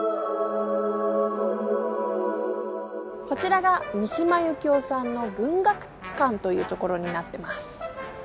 こちらが三島由紀夫さんの文学館という所になってます。